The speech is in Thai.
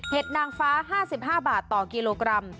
นางฟ้า๕๕บาทต่อกิโลกรัม